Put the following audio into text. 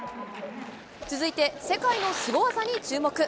続いて、世界のスゴ技に注目。